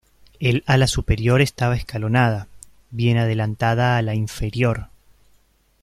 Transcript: El ala superior estaba escalonada, bien adelantada a la inferior.